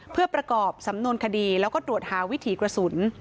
เพื่อประกอบสำนวนคดีแล้วก็ตรวจหาวิถีกระสุน